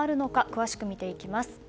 詳しく見ていきます。